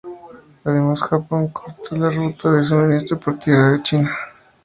Además, Japón cortó la ruta de suministro por tierra a China.